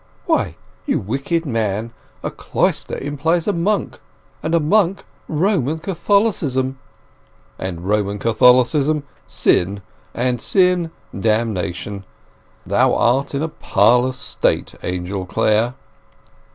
"Why, you wicked man, a cloister implies a monk, and a monk Roman Catholicism." "And Roman Catholicism sin, and sin damnation. Thou art in a parlous state, Angel Clare."